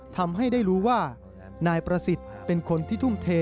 ทำให้ได้รู้ว่านายประสิทธิ์เป็นคนที่ทุ่มเท